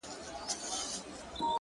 o ستا د مخ له اب سره ياري کوي ـ